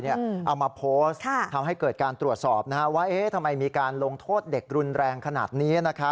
เอามาโพสต์ทำให้เกิดการตรวจสอบว่าทำไมมีการลงโทษเด็กรุนแรงขนาดนี้